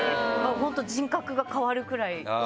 本当に人格が変わるくらい。